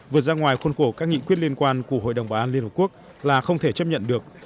vượt ra ngoài khuôn khổ các nghị quyết liên quan của hội đồng bảo an liên hợp quốc là không thể chấp nhận được